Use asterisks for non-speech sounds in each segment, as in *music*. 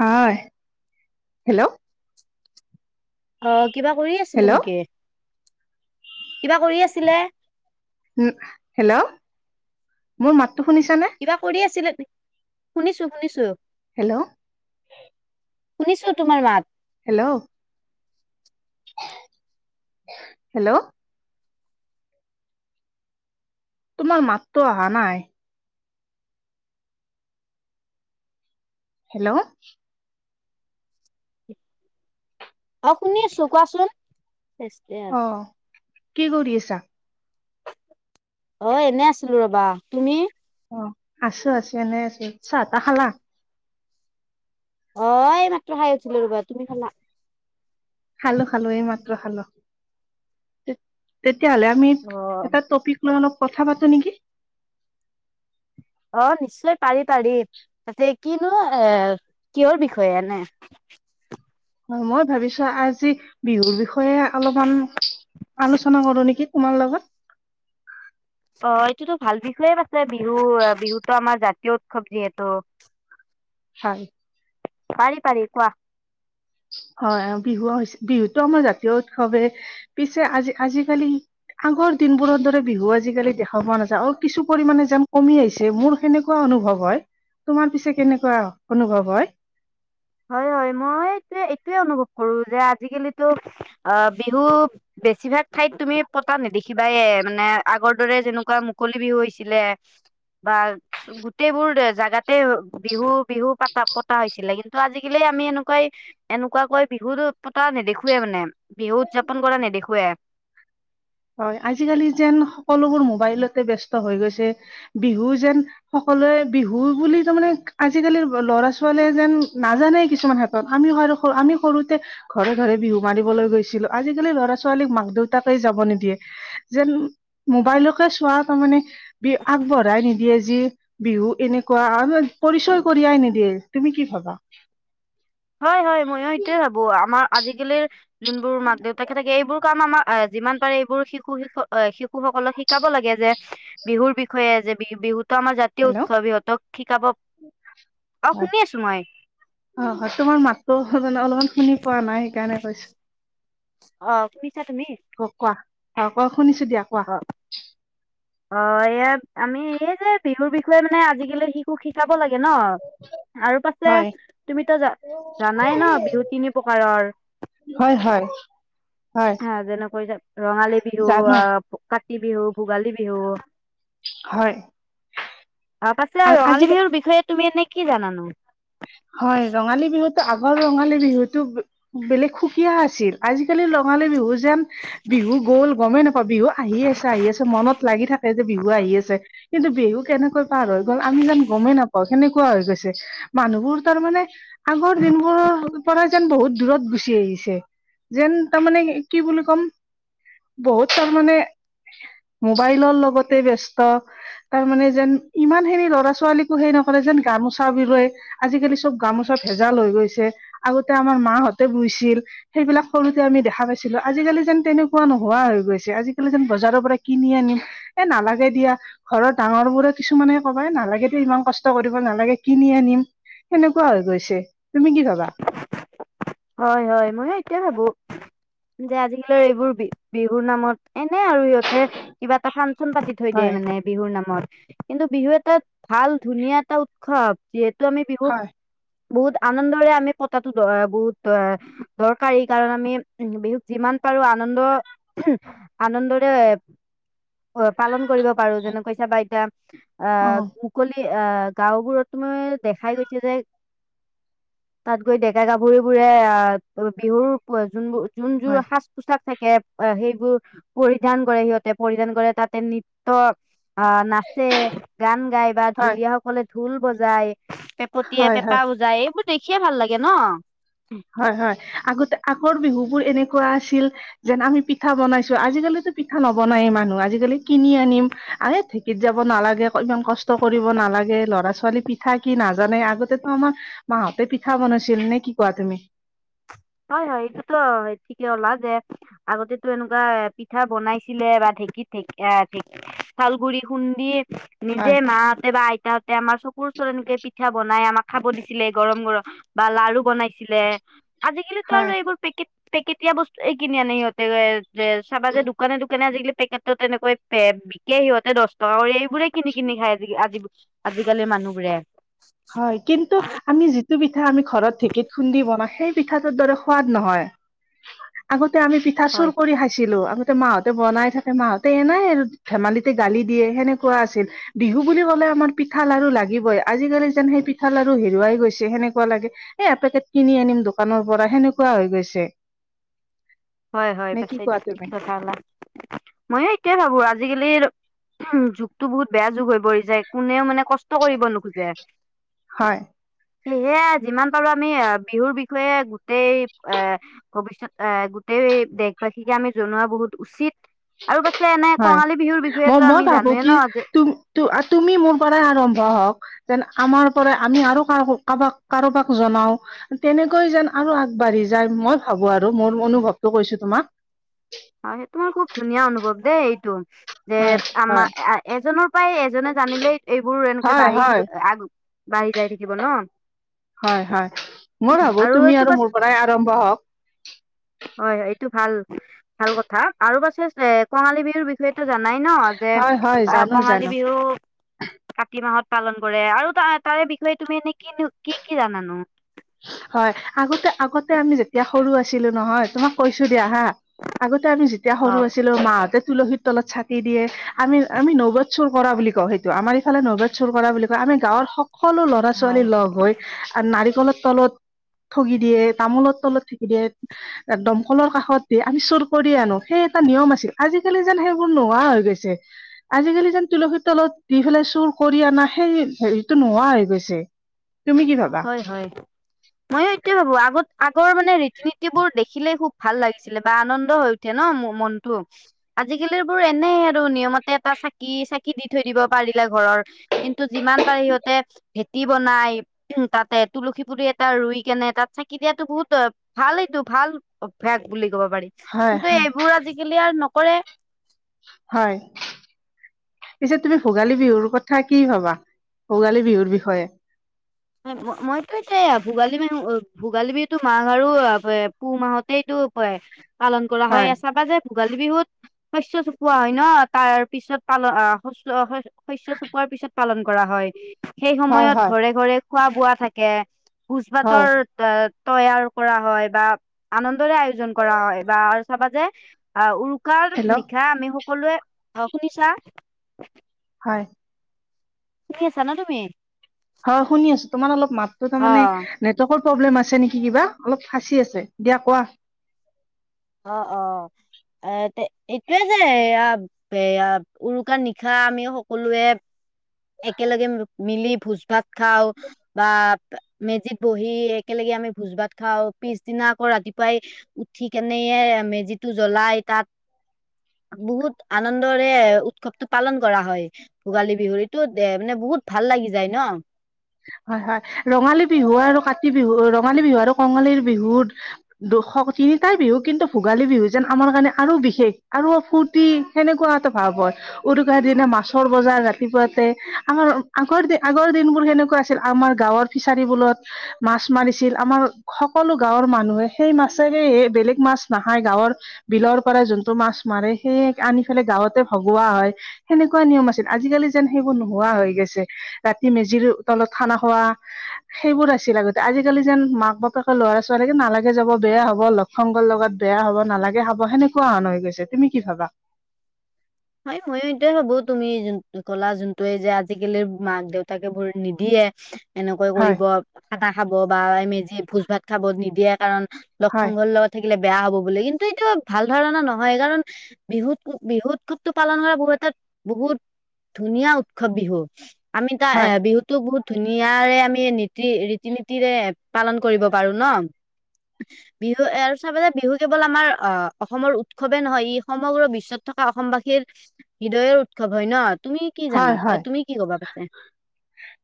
হয়, হেল্ল'। অ' কিবা কৰি আছিলে হেল্ল' নেকি? কিবা কৰি আছিলে? উম, হেল্ল' মোৰ মাত কিবা কৰি আছিলে নক শুনিছোঁ শুনিছোঁ। হেল্ল'। শুনিছোঁ তোমাৰ মাত। হেল্ল'। হেল্ল'। তোমাৰ মাতটো অহা নাই। হেল্ল'। অহ' শুনি আছোঁ কোৱাচোন। অহ' কি কৰি আছা? অ' এনে আছিলোঁ ৰবা, তুমি? অ' আছোঁ আছোঁ এনে আছোঁ চাহ তাহ খালা? অ' এই মাত্ৰ খাই আছিলোঁ ৰবা তুমি খালা? খালোঁ খালোঁ এইমাত্ৰ খালোঁ। তেতিয়াহ'লে আমি অ এটা টপিক লৈ অলপ কথা পাতোঁ নেকি? অ' নিশ্চয় পাৰি পাৰি তাতে কিনো এ কিহৰ বিষয় এনে? হয়, মই ভাবিছোঁ আজি বিহুৰ বিষয়ে অলপমান আলোচনা কৰোঁ নেকি? তোমাৰ লগত। অ' এইটোতো ভাল বিষয়ে পাছে বিহু বিহুতো আমাৰ জাতীয় উৎসৱ যিহেতু। হয়। পাৰি পাৰি কোৱা। হয়, বিহু হৈছে বিহুতো আমাৰ জাতীয় উৎসৱে পিছে আজি আজিকালি আগৰ দিনবোৰৰ দৰে বিহু আজিকালি দেখা পোৱা নাযায় আৰু কিছু পৰিমাণে যেন কমি আহিছে মোৰ সেনেকুৱা অনুভৱ হয়। তোমাৰ পিছে কেনেকুৱা অনুভৱ হয়। হয় হয় মই এইটোয়ে অনুভৱ কৰো যে আজিকালিতো অ বিহু বেছিভাগ ঠাইত তুমি পতা নেদেখিবা এ মানে আগৰ দৰে যেনেকুৱা মুকলি বিহু হৈছিলে বা গোটেইবোৰ জেগাতে বিহু বিহু পতা পতা হৈছিলে কিন্তু ত আজিকালি আমি এনেকুৱাই এনেকুৱাকৈ বিহু পতা নেদেখৱে মানে। বিহু উদযাপন কৰা নাই নেদেখোৱে। হয় আজিকালি যেন সকলোবোৰ মোবাইলতে ব্যস্ত হৈ গৈছে বিহু যেন বিহু বুলি তাৰ মানে আজিকালি ল'ৰা ছোৱালীয়ে যেন নাজানে কিছুমান হাতত আমি আমি সৰুতে ঘৰে ঘৰে বিহু মাৰিবলৈ গৈছিলো আজিকালি ল'ৰা ছোৱালীক মাক দেউতাকে যাব নিদ দিয় যেন মোবাইলকে চোৱা তাৰ মানে বি আগবঢ়াই নিদিয়ে যে যি বিহু এনেকুৱা আৰু পৰিচয় কৰিয়াই নিদিয়ে তুমি কি ভাবা? হয়, হয় ময়ো সেটোয় ভাবোঁ আমাৰ আজিকালিৰ যোনবোৰ মাক দেউতাকে থাকে এইবোৰ কাৰণ আমাক যিমান পাৰে এইবোৰ শিশু শি শিশু সকলক শিকাব লাগে যে বিহুৰ বিষয়ে যে বিহু বিহুত তোৰ আমাৰ জাতীয় হেল্ল' উৎসৱ ইহঁতক শিকাব আৰু, হয় শুনি আছোঁ মই। অ হয় তোমাৰ মাতো অলপমান শুনি পোৱা নাই সেইকাৰণে কৈছোঁ। অ'শুনিছা তুমি? কোৱা অ' কোৱা শুনিছোঁ দিয়া কোৱা। অ অ', এয়া আমি এই যে বিহুৰ বিষয়ে মানে আজিকালি শিশুক শিকাব লাগে ন। আৰু পাছে হয়, তুমিতো জ জানাই ন বিহু তিনি প্ৰকাৰৰ। হয়, হয়। হয় যেনেকৈ ৰঙালী বিহু জানো আহ কাতি বিহু, ভোগালী বিহু হয়। ত পাছত আ- আজি ৰঙালী বিহুৰ বিষয়ে তুমি এনে কি জানানো হয় ৰঙালী বিহুতো আগৰ ৰঙালী বিহুতো বেলেগ সুকীয়া আছিল আজিকালি নগালী বিহু যেন বিহু গ'ল গমেই নাপাওঁ বিহু আহি আছে আহি আছে মনত লাগি থাকে যে বিহু আহি আছে কিন্তু বিহু কেনেকৈ পাৰ হৈ গল আমি যোন গমেই নাপাও সেনেকুৱা হৈ গৈছে। মানুহবোৰ তাৰমানে আগৰ দিনবোৰৰ পৰা যেন বহুত দূৰত গুচি আহিছে। যেন তাৰমানে কি বুলি ক'ম বহুত তাৰ মানে। মোবাইলৰ লগতে ব্যস্ত তাৰ মানে যেন ইমান খেনি ল'ৰা ছোৱালীকো হেই নকৰে যেন গামোচা বিৰুয় আজিকালি চব গামোচা ভেজাল হৈ গৈছে আগতে আমাৰ মাহঁতে বৈছিল সেইবিলাক সৰুতে আমি দেখা পাইছিলো আজিকালি যেন তেনেকুৱা নোহোৱা হৈ গৈছে আজিকালি যেন বজাৰৰ পৰা কিনি আনিম এ না নালাগে দিয়া ঘৰৰ ডাঙৰ বোৰে কিছুমানে কবাই নালাগে দিয় ইমান কষ্ট কৰিব নালাগে কিনি আনিম সেনেকুৱা হৈ গৈছে তুমি কি ভাবা। হয় - হয়, ময়ো সেইটোৱে ভাবোঁ। যে আজিকালৰ এইবোৰ বি- বিহুৰ নামত এনে আৰু সিহঁতে কিবা এটা ফান চোন পাতি থৈ দে হয় মানে বিহুৰ নামত। কিন্তু বিহু এটা ভাল ধুনীয়া এটা উৎসৱ, যিহেতু আমি বিহুক হয় বহুত আনন্দৰে আমি পতাতো দৰ বহুত দুৱা দৰকাৰি কাৰণ আমি উম, বিহুক যিমান পাৰো আনন্দ-আনন্দ *unintelligible* পালন কৰিব পাৰো যেনেকৈ চাবা এতিয়া অ আহ, মুকলি আহ, গাওবোৰত মই দেখাই গৈছে যে তাত গৈ ডেকা-গাভৰু বোৰে আ, বিহুৰ যোনবোৰ যোনযোৰ হয় সাজ- পোছাক থাক কে সেইবোৰ পৰিধান কৰে সিহঁতে পৰিধান কৰে তাতে নিত্য আ নাচে গান গাই বা হয় ঢুলীয়া সকলে ঢোল বজায় পেপতিয়ে হয় হয় পেপা উজাই এইবোৰ দেখিয়ে ভাল লাগে ন'। হয়-হয় আগতে আগৰ বিহু বোৰ এনেকুৱা আছিল যেন আমি পিঠা বনাইছো আজিকালিতো পিঠা নবনায়ে মানুহ আজিকালি কিনি আনিম আৰে ঢেঁকীত যাব ক'ব নালাগে ইমান কষ্ট কৰিব নালাগে ল'ৰা- ছোৱালী পিঠাই কি নাজানে আগতেতো আমাৰ মাহত তাতে পিঠা বনাইছিল নে কি কোৱা তুমি? হয় হয় এইটোতো ঠিকে ওলা যে আগতে এনেকুৱা পিঠা বনাইছিলে বা থি থ আহ থ শালগুৰি খুন্দি নিজে হয় ম হতে বা আইতাহঁতে আৰ চ কৰু ওৰত এনেকে পিঠা বনাই আমাক খাব দিছিলে গৰম গৰম বা লাৰু বনাইছিল, আজিকালিতো হয় আৰু এইবোৰ পেকেট পেকেটীয়া বস্তু এই কিনি আনি সিহঁতে যে চাবা যে দোকানে দোকান আজিকালি, পেকেটো তেনেকৈ বিকে সিহঁতে দহ টকা কৰি এইবোৰে কিনি কিনি খাই আজ আজি আজিকালি মান মানুহবোৰে, হয় কিন্তু আমি যিটো পিঠা আমি ঘৰত ঢেঁকত খুন্দি বনা সেই পিঠাটোৰ দৰে সোৱাদ নহয় আগত আমি পিঠা চুৰ হয় কৰি খাইছিলো, আতে মাহঁতে বনাই থাকে মাহতে এনাই আৰু ধেমালিতে গালি দিয়ে সেনেকুৱা আছিল বিহু বুলি ক আমাৰ পিঠা লাৰু লাগিবই আজিকালি- যেন সেই পিঠাল আৰু হেৰুৱাই গৈছে সেনেকুৱা লাগে এ এপেকেট কিনি আনিম দোকানৰ পৰা সেনেকুৱা হৈ গৈছে। *unintelligible* হয় হয় নে পাছত কোৱা কি তুমি কথালা ময়ো এইটয়ে ভাবো আজিকালি উ যুগতো বহুত বেয়া যুগ হৈ পৰি যায় কোনেও মানে কষ্ট কৰিব নোখোজে। হয় সেয়া যিমান পাৰো আমি বিহুৰ বিষয়ে গোটেই এ ভৱিষয়ত এ দেশবাসীকে আমি জনোৱা বহুত উচিত। আৰু পাছে এনে হয়, কঙালী বিহুৰ মই বিষয়েতো মই আমি ভাবো জানোৱে ন কি যে তুম তুমি মোৰ পৰাই আৰম্ভ হওক। যেন আমাৰ পৰা আমি আৰু কাৰ কাৰোবাক কাৰোবাক জনাও তেনেকৈ যেন আৰু আগবাঢ় ঢ়ি যায় মই ভাবো আৰু মোৰ অনুভৱটো কৈছো তোমাক। হয়, সেইটো খুব ধুনীয়া অনুভৱ দেই এইটো। যে হয় আমাৰ হয় এজনৰ পৰাই এজনে জানিলেই এইবোৰ এনেকে হয় বাঢ়ি যাব হয় আৰু। বাঢ়ি যাই থাকিব ন। হয় হয়, মই ভাবো তুমি এইটো আৰু বাছ মোৰ পৰাই আৰম্ভ হওক। হয় হয়, এইটো ভাল ভাল কথা আৰু পাছে এ কঙালী বিহুৰ বিষয়টো জান না ন যে হয়, হয়, জানো কঙালী জানো। বিহু কাতি মাহত। পালন কৰে। আৰু তা-তাৰে বিষয়ে তুমি এনে কি কি কি জানানো? হয়, আগতে আগতে আমি যেতিয়া সৰু আছিলো নহয় তোমাক কৈছো। দিয়া হা আগতে আমি যেতিয়া সৰু হওক আছিলো। মাহতে তুলসীৰ তলত চাকি দিয়ে আমি আমি নবদ চুৰ কৰা বুলি কওঁ সেইটো আমাৰ ইফালে নবদ চুৰ কৰা বুলি কয়। আমি গাঁৱৰ সকলো ল'ৰা-ছোৱালী হয়। লগ হৈ আৰু নাৰিকলৰ তলত। ঠগি দিয়ে, তামোলৰ তলত ঠগি দিয়ে, এক দম কলৰ কাষত দিয়ে আমি চুৰ কৰি আনো, সেই এটা নিয়ম আছিল। আজি আজিকালি যেন সেইবোৰ নোহোৱা হৈ গৈছে, আজিকালি যেন তুলসীৰ তলত দি পেলাই চুৰ কৰি অনা সেই হেৰিটো নোহোৱা হৈ গৈছে, তুমি কি ভাবা? হয় হয় ময়ো এটো ভাবো। আগত, আগৰ মানে ৰীতি-নীতিবোৰ দেখিলে খুব ভাল লাগিছিলে বা আনন্দ হৈ উঠে ন মনটো। আজিকালি বোৰ এনেই আৰু নিয়মতে এটা চাকি চাকি দি থৈ দিব পাৰিলে ঘৰৰ। কিন্তু, যিমান পায়, সিহঁতে ভেটি বনাই। উম, তাতে তুলসী পুলি এটা ৰুই কেনে তাত চাকি দিয়াতো বহুত, *unintelligible* ভাল এইটো ভাল, অভ্যাস বুলি কৰবা পাৰি, হয় কিন্ত হয় এইবোৰ আজিকালি আৰু নকৰে। হয়। পিছে তুমি ভোগালী বিহুৰ কথা কি ভাবা, ভোগালী বিহুৰ বিষয়ে? মইতো এতিয়া ভোগালী বিহু ভোগালী বিহুতো মাঘ আৰু পুহ মাহতহে এইটো, পালন কৰা হয় চাবা যে ভোগালী বিহুত, শস্য চপোৱা হয় ন' তাৰপিছত পাল আহ শস্য-শস শস্য চপোৱাৰ পিছত পালন কৰা হয় সেই হয় সময়ত হয় ঘৰে ঘৰে খোৱা বোৱা থাকে। ভোজ হয় ভাতৰ *unintelligible* তৈয়াৰ কৰা হয় বা আনন্দৰে আয়োজন কৰা হয় বা আৰু চাবা যে আহ উৰু উুকাৰ হেল্ল' নিশা আমি সকলোৱে অ', শুনিছা হয়। শুনি আছা না তুমি? হয় শুনি আছো তোমাৰ অলপ মাতটো অ তাৰেমানে নেতৱ প্ৰব্লেম আছে নেকি কিবা অলপ ফাঁচি আছে দিয়া কোৱা অ', অ'। এ এইটোয়ে যে এয়া এয়া উৰুকাৰ নিশা আমি সকলোৱে একেলগে মিলি ভোজ ভাত খাওঁ বা মেজিত বহি একেলগে আমি ভোজ ভাত খাওঁ পিছদিনা আকৌ ৰাতিপুৱাই উঠি কেনেয়ে মেজিটো জ্বলাই তাত বহুত আনন্দৰে উৎসৱতটো পালন কৰা হয় ভোগালী বিহুৰী দে মানে বহুত ভাল লাগি যায় ন' হয় হয় ৰঙালী বিহু আৰু কাতি বিহু, ৰঙালী বিহু আৰু কঙালীৰ বিহুত তিনি তাই বিহু কিন্তু ভোগালী বিহু যেন আমাৰ কাৰণে আৰু বিশেষ আৰু ফূৰ্তি সেনেকুৱা এটা ভাৱ উৰুকাৰ দিনা মাছৰ বজাৰ ৰাতিপুৱাতে আমাৰ আগৰ আগৰ দিনবোৰ সেনেকুৱা আমাৰ গাঁৱৰ ফিচাৰী বোৰত মাছ মাৰিছিল আমাৰ সকলো গাঁৱৰ মানুহে সেই মাছে বেলেগ মাছ নাখাই গাঁৱৰ বিলৰ পৰা যোনটো মাছ মাৰে সেই আনি ফেলে গাঁৱতে ভং বোৱা হয় সেনেকুৱা নিয়ম আছিল আজিকালি যেন সেইবোৰ নোহোৱা হৈ গৈছে ৰাতি মেজিৰো তলত খানা খোৱা সেইবোৰ আছিল আগতে আজিকালি যেন মাক- বাপেকে ল'ৰা ছোৱালীকে নালাগে যাব বেয়া হ'ব লগ সংগৰ লগত বেয়া হ'ব নালাগে হ'ব, সেনেকুৱা হৈ গৈছে তুমি কি ভাবা। *inaudible* হয় ময়ো এইটোৱে ভাবো, তুমি যোনটো ক'লা যোনটোৱে যে আজিকালিৰ মাক দেউতাকে এইবোৰ নিদিয়ে। এনেকৈ হয় কৰিব আদা খাব বা মেজি ভোজ ভাত খাব নিদিয়ে কাৰণ। লগ হয় সংগ্ৰৰ লগত থাক কিলে বেয়া হ'ব বুলি, কিন্তু এতিটো ভাল ধাৰণা নহয় কাৰণ, বিহুত-বিহুত উৎসৱটো পালন কৰা বহুতে এটা বহুত ধুনীয়া উৎসৱ বিহু। আমি তাৰ এ হয় বিহুতো বহুত ধুনীয়া আৰে আমি নীতি ৰীতি নীতিৰে পালন কৰিব পাৰো ন। বিহু এ আৰু চাবা যে বিহু কেৱল আমাৰ আ অসমৰ উৎসৱে নহয় ই সমগ্ৰ বিশ্বত থকা অসমবাসীৰ হৃদয়ৰ উৎসৱ হয় ন। তুমি কি জানা হয়, হয়, তুমি কি ক'বা পাছে?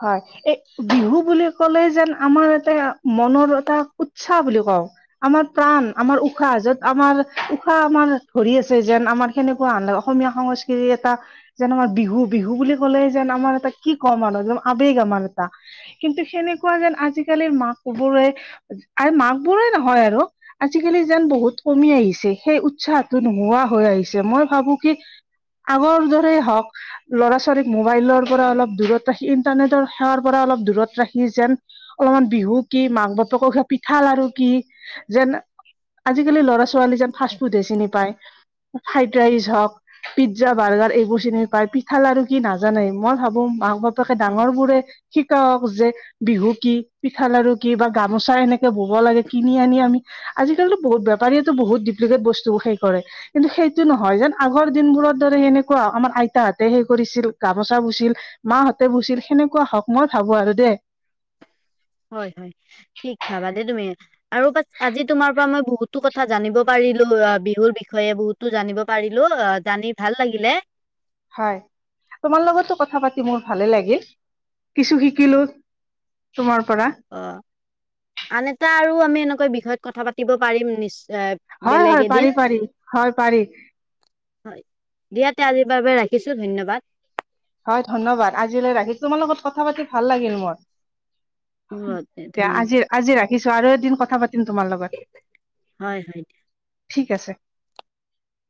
হয়। এই বিহু বুলি ক'লে যেন আমাৰ এটা মনৰ এটা উৎসাহ বুলি কওঁ, আমাৰ প্ৰাণ, আমাৰ উশাহ, যত আমাৰ উশাহ আমাৰ ধৰি আছে। যেন আমাৰ সেনেকুৱা অসমীয়া সংস্কৃতিৰ এটা যেন আমাৰ বিহু বিহু বুলি ক'লে যেন আমাৰ এটা কি ক'ম আৰু আবেগ আমাৰ এটা, কিন্তু সেনেকুৱা যেন আজিৰ আজিকালিৰ মাক বোৰে মাক বোৰে নহয় আৰু আজিকালি যেন বহুত কমি আহিছে। সেই উৎসাহটো নোহোৱা হৈ আহিছে। মই ভাবো কি আগৰ দৰে হওঁক। ল'ৰা ছোৱালীক মোবাইলৰ পৰা অলপ দূৰত ৰাখি ইণ্টাৰনেটৰ সেৱাৰ পৰা অলপ দূৰত ৰাখি যেন অলমান বিহু কি মাক বাপেক পিঠা লাৰু কি যেন আজিকালি ল'ৰাছো- ছোৱালীয়ে যেন ফাৰ্ষ্ট ফুডহে চিনি পায়। ফ্ৰাইড ৰাইচ হওঁক, পিজ্জা-বাৰ্গাৰ, এইবোৰ চিনি পায়। কঠাল আৰু কি নাজানে, মই ভাবো মাক বাপেকে হয় ডাঙৰ বোৰে শিকাওক যে বিহু কি পিঠা, লাৰু কি বা গামোচা এনেকে বব লাগে কিনি আনি আমি আজিকালি বহুত বেপাৰীয়ে বহুত দুপ্লিকেত বস্তু ব্যৱসায় কৰে, কিন্তু সেইটো নহয় যেন আগৰ দিনবোৰত ধৰে সনে কোৱা আমাৰ আইতাত সেই কৰিছিল, গামোচা বৈছিল, মাহঁতে বৈছিল, সেনেকুৱা হওঁক মই ভাবো আৰু দেই। *inaudible* হয়, হয়। ঠিক ভাবা দেই তুমি আৰু বচ আজি তোমাৰ পৰা মই বহুতো কথা জানিব পাৰি। পেলো বিহুৰ বিষয়ে বহুতো জানিব পাৰিলো অ জানি ভাল লাগিলে। হয়, তোমাৰ লগতো কথা পাতি মোৰ ভালে লাগিল, কিছু শিকিলোঁ। তোমাৰ পৰা অ আন এটা আৰু আমি এনেকুৱা বিষয়ত কথা পাতিব পাৰিম নিশ্চ এ হয় বেলেগ হয় এদিন, পাৰি পাৰি হয় পাৰি হয়। দিয়া তে আজিৰ বাবে ৰাখিছোঁ ধন্যবাদ। হয়, ধন্যবাদ। আজিলৈ ৰাখিছো, তোমাৰ লগত কথা পাতি ভাল লাগিল মোৰ। অ, দিয়া ধন্যবাদ আজি আজি ৰাখিছো আৰু এদিন কথা পাতি। তোমাৰ লগত, হয় হয় ঠিক আছে।